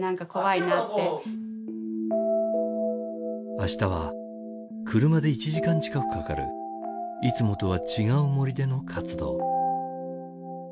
明日は車で１時間近くかかるいつもとは違う森での活動。